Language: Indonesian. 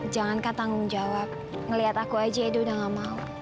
jangan kak tanggung jawab ngeliat aku aja edo udah gak mau